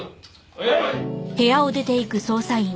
はい。